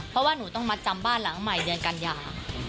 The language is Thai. เพราะว่าหนูต้องมาจำบ้านหลังใหม่เดือนกันยา